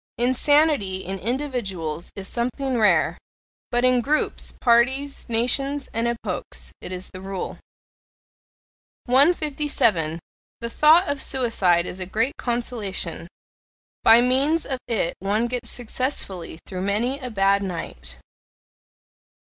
Insanity in individuals is something rare but in groups, parties, nations, and epochs it is the rule. 157. The thought of suicide is a great consolation: by means of it one gets successfully through many a bad night.